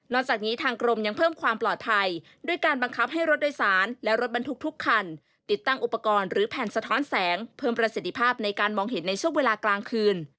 จากนี้ทางกรมยังเพิ่มความปลอดภัยด้วยการบังคับให้รถโดยสารและรถบรรทุกทุกคันติดตั้งอุปกรณ์หรือแผ่นสะท้อนแสงเพิ่มประสิทธิภาพในการมองเห็นในช่วงเวลากลางคืน